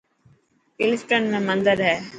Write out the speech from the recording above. ڪلفٽن ۾ مندر هي